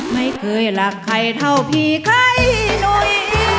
ไม่เคยรักใครเท่าพี่ใครหนุ่ย